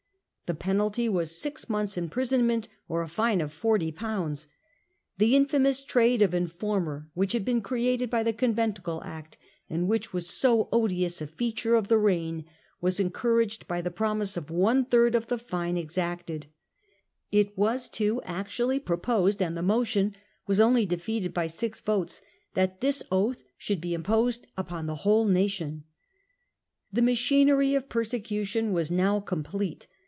* The penalty was six months' imprisonment or a fine of 40/. The infamous trade of informer, which had been created by the Conventicle Act, and which was so odious a feature of the reign, was encouraged by the promise of one third of the fine exacted, It was too actually proposed, and the motion was only defeated by six votes, that this oath should be imposed upon the whole nation. The machinery of persecution was now complete.